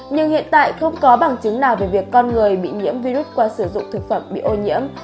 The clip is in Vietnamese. nhưng hiện tại không có bằng chứng nào về việc con người bị nhiễm virus qua sử dụng thực phẩm bị ô nhiễm